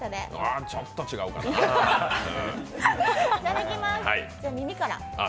あ、ちょっと違うかなあ。